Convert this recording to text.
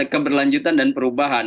keberlanjutan dan perubahan